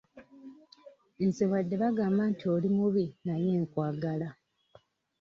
Nze wadde bagamba nti oli mubi naye nkwagala.